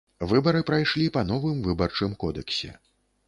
Выбары прайшлі па новым выбарчым кодэксе.